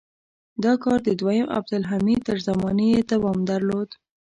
دا کار د دویم عبدالحمید تر زمانې یې هم دوام درلود.